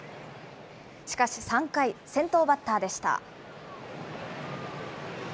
しかし３回、先頭バッターでした。